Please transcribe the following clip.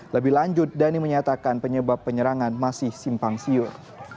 lebih lanjut dhani menyatakan penyebab penyerangan masih simpang siur